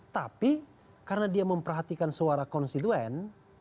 tapi karena dia memperhatikan suara konstituen